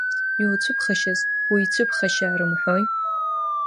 Иуцәыԥхашьаз уицәыԥхашьа рымҳәои!